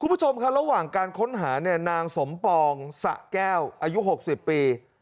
คุณผู้ชมครับระหว่างการค้นหาเนี่ยนางสมปองสะแก้วอายุ๖๐ปี